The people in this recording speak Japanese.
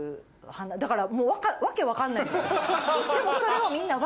だから。